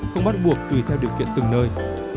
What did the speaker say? không bắt buộc tùy theo điều kiện từng nơi